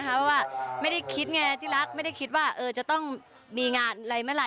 เพราะว่าไม่ได้คิดไงที่รักไม่ได้คิดว่าจะต้องมีงานอะไรเมื่อไห